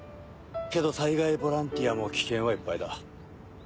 けど災害ボランティアも危険はいっぱいだ。